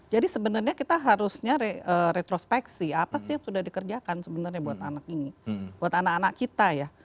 jadi sebenarnya kita harusnya retrospeksi apa sih yang sudah dikerjakan sebenarnya buat anak ini buat anak anak kita ya